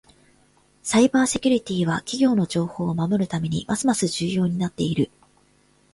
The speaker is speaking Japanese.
サイバーセキュリティは企業の情報を守るためにますます重要になっている。